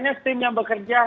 ya sebenarnya tim yang bekerja